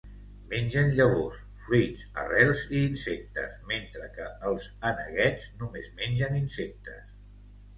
Mengen llavors, fruits, arrels i insectes, mentre que els aneguets només mengen insectes.